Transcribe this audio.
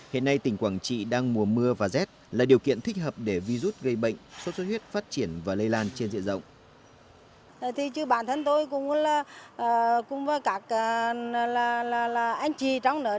hiện nay tỉnh quảng trị đang mùa mưa và rét là điều kiện thích hợp để virus gây bệnh sốt xuất huyết phát triển và lây lan trên diện rộng